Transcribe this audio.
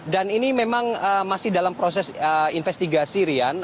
dan ini memang masih dalam proses investigasi rian